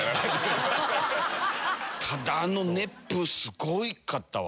ただあの熱風すごかったわ。